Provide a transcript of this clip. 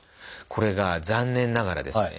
これが残念ながらですね